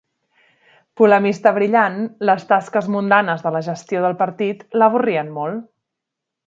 Polemista brillant, les tasques mundanes de la gestió del partit l'avorrien molt.